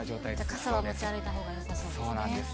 傘は持ち歩いたほうがよさそそうなんです。